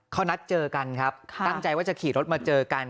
เขานัดเจอกันครับตั้งใจว่าจะขี่รถมาเจอกัน